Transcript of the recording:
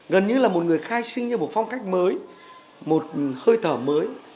gần như là một người khai sinh ra một phong cách mới một hơi thở mới